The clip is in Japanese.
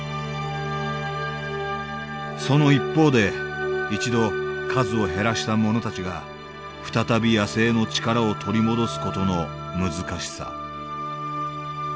その一方で一度数を減らした者たちが再び野生の力を取り戻す事の難しさ。